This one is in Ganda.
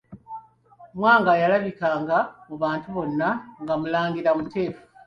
Mwanga yalabikanga mu bantu bonna nga mulangira muteefu.